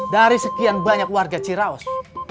dari sekian banyak warga ciraos